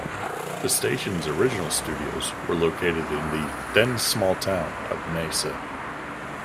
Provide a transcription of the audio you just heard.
The station's original studios were located in the then-small town of Mesa.